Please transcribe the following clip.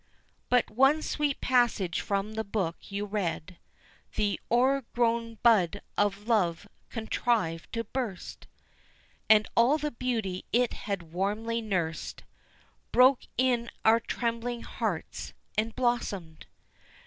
But one sweet passage from the book you read The o'ergrown bud of love contrived to burst, And all the beauty it had warmly nursed Broke in our trembling hearts and blossomèd.